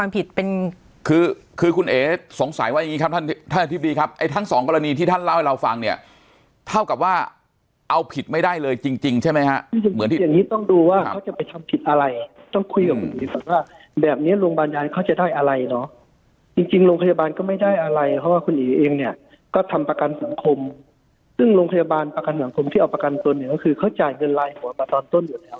เอาผิดไม่ได้เลยจริงจริงใช่ไหมฮะเหมือนที่อย่างนี้ต้องดูว่าเขาจะไปทำผิดอะไรต้องคุยกับคุณเอกว่าแบบเนี้ยโรงพยาบาลยานเขาจะได้อะไรเนอะจริงจริงโรงพยาบาลก็ไม่ได้อะไรเพราะว่าคุณเอกเองเนี้ยก็ทำประกันสังคมซึ่งโรงพยาบาลประกันสังคมที่เอาประกันตัวเนี้ยก็คือเขาจ่ายเงินลายหัวมาตอนต้